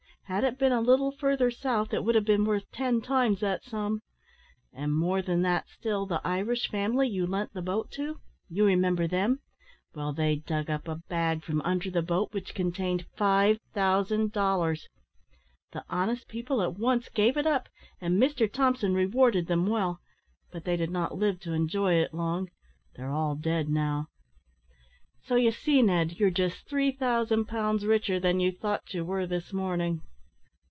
Had it been a little further south, it would have been worth ten times that sum. And more than that still, the Irish family you lent the boat to you remember them well, they dug up a bag from under the boat which contained five thousand dollars; the honest people at once gave it up, and Mr Thompson rewarded them well; but they did not live to enjoy it long, they're all dead now. So you see, Ned, you're just 3000 pounds richer than you thought you were this morning."